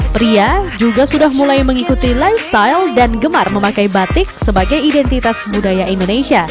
pria juga sudah mulai mengikuti lifestyle dan gemar memakai batik sebagai identitas budaya indonesia